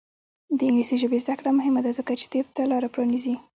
د انګلیسي ژبې زده کړه مهمه ده ځکه چې طب ته لاره پرانیزي.